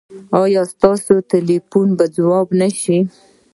ایا ستاسو ټیلیفون به ځواب نه شي؟